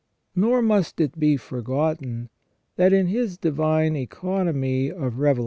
Nor must it be forgotten, that in His divine economy of reve.